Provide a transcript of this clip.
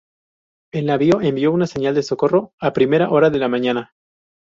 El navío envió una señal de socorro a primera hora de la mañana.